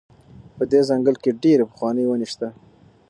په دې ځنګل کې ډېرې پخوانۍ ونې شته.